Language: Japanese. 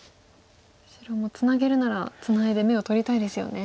白もツナげるならツナいで眼を取りたいですよね。